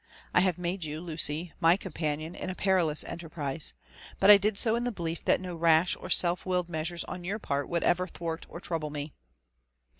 I have made you, Lucy, my companion in a perilous enterprise ; but I did so in the belief that no rash or self willed measures on your part would ever thwart or trouble me."